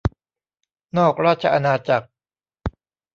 นอกราชอาณาจักร